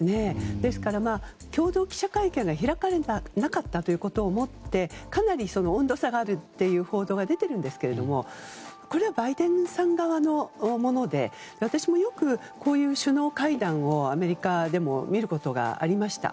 ですから、共同記者会見が開かれなかったことをもってかなり温度差があるという報道が出ているんですがこれはバイデンさん側のもので私もよく、こういう首脳会談をアメリカでも見ることがありました。